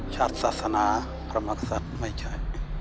ชาติศาสนากรรมกษัตริย์ไม่ใช่